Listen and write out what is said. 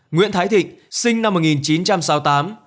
nguyễn thái thịnh sinh năm một nghìn chín trăm sáu mươi tám